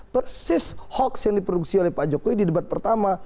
persis hoax yang diproduksi oleh pak jokowi di debat pertama